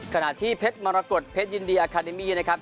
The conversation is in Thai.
ขณะที่เพชรมรกฏเพชรยินดีอาคาเดมี่นะครับ